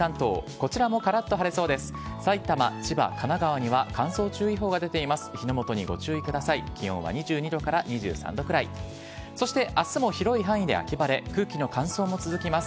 こちらもからっと晴れそうです。